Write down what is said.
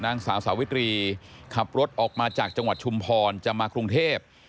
นางสาวสาวิตรีขับรถออกมาจากจังหวัดชุมพรจะมากรุงเทพ